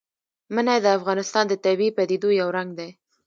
منی د افغانستان د طبیعي پدیدو یو رنګ دی.